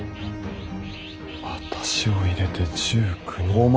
私を入れて１９人か。